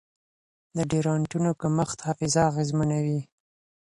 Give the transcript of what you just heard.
د ډنډرایټونو کمښت حافظه اغېزمنوي.